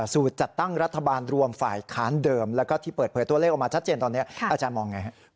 สัดเจนตอนนี้อาจารย์มองอย่างไรครับ